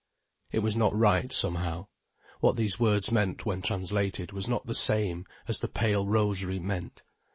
It was not right, somehow. What these words meant when translated was not the same as the pale rosary meant.